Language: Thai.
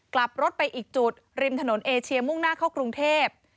กลับรถไปอีกจุดริมถนนเอเชียมุ่งหน้าเข้ากรุงเทพ